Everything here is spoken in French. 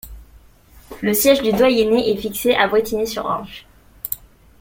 Le siège du doyenné est fixé à Brétigny-sur-Orge.